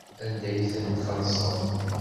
Anda ay ten-txellṣeḍ?